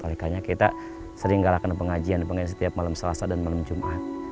paling hanya kita sering galakan pengajian pengajian setiap malam selasa dan malam jumat